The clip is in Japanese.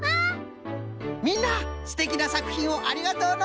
みんなすてきなさくひんをありがとうの！